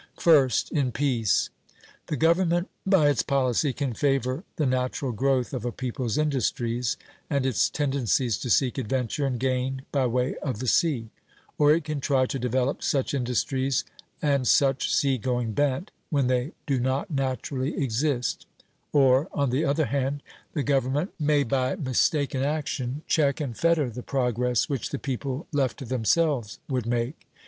First, in peace: The government by its policy can favor the natural growth of a people's industries and its tendencies to seek adventure and gain by way of the sea; or it can try to develop such industries and such sea going bent, when they do not naturally exist; or, on the other hand, the government may by mistaken action check and fetter the progress which the people left to themselves would make.